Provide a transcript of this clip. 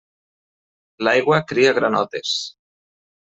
L'aigua cria granotes.